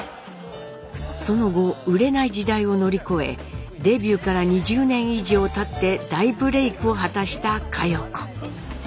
その後売れない時代を乗り越えデビューから２０年以上たって大ブレイクを果たした佳代子。